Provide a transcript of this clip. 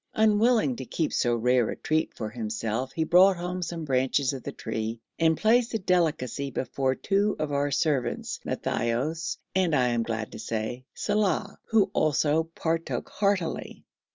Unwilling to keep so rare a treat for himself, he brought home some branches of the tree, and placed the delicacy before two of our servants, Matthaios and, I am glad to say, Saleh, who also partook heartily.